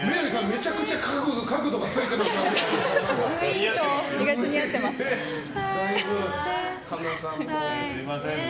めちゃくちゃ角度がついてますね。